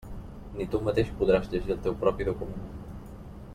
Ni tu mateix podràs llegir el teu propi document.